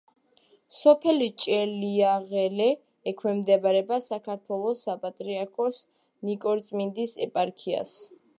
სოფელი ჭელიაღელე ექვემდებარება საქართველოს საპატრიარქოს ნიკორწმინდის ეპარქიას.